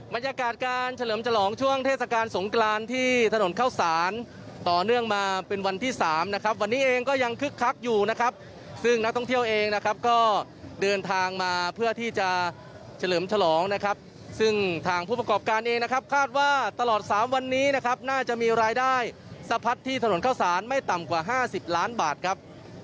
บรรยากาศการเฉลิมฉลองช่วงเทศกาลสงกรานที่ถนนเข้าสารต่อเนื่องมาเป็นวันที่สามนะครับวันนี้เองก็ยังคึกคักอยู่นะครับซึ่งนักท่องเที่ยวเองนะครับก็เดินทางมาเพื่อที่จะเฉลิมฉลองนะครับซึ่งทางผู้ประกอบการเองนะครับคาดว่าตลอดสามวันนี้นะครับน่าจะมีรายได้สะพัดที่ถนนเข้าสารไม่ต่ำกว่า๕๐ล้านบาทครับ